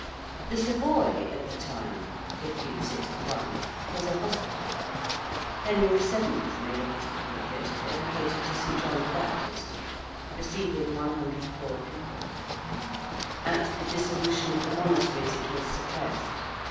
The Savoy, at the time (1561) was a hospital. Henry VII. made a hospital of it, dedicated to St. John the Baptist, receiving 100 poor people. At the Dissolution of the Monasteries it was suppressed.